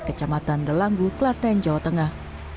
kecamatan delanggu klaten jawa tengah